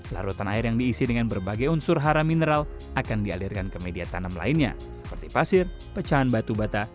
larutan air yang diisi dengan berbagai unsur haram mineral akan dialirkan ke media tanam lainnya seperti pasir pecahan batu bata